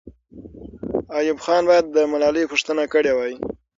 ایوب خان باید د ملالۍ پوښتنه کړې وای.